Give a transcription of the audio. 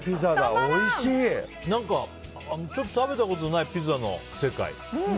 ちょっと食べたことないピザの世界。